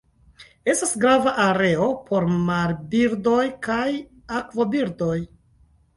Estas grava areo por marbirdoj kaj akvobirdoj.